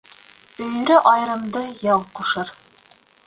Өйөрө айырымды яу ҡушыр.